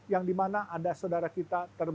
yang dimana ada saudara kita